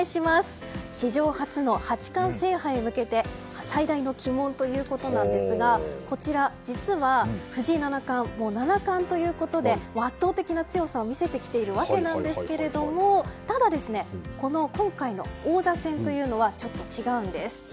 史上初の八冠制覇へ向けて最大の鬼門ということなんですが実は藤井七冠は七冠ということで圧倒的な強さを見せてきているわけですがただ、今回の王座戦というのはちょっと違うんです。